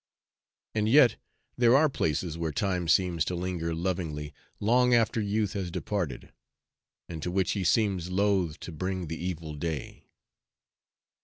And yet there are places where Time seems to linger lovingly long after youth has departed, and to which he seems loath to bring the evil day.